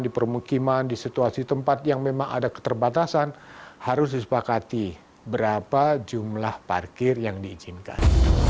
di permukiman di situasi tempat yang memang ada keterbatasan harus disepakati berapa jumlah parkir yang diizinkan